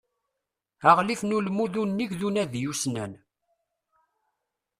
Aɣlif n ulmud unnig d unadi ussnan.